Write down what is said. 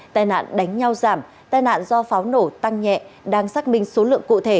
tai nạn đánh nhau giảm tai nạn do pháo nổ tăng nhẹ đang xác minh số lượng cụ thể